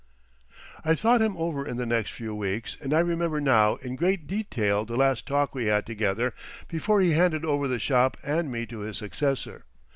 I thought him over in the next few weeks, and I remember now in great detail the last talk we had together before he handed over the shop and me to his successor.